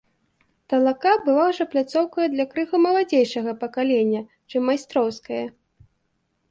Талака была ўжо пляцоўкаю для крыху маладзейшага пакалення, чым майстроўскае.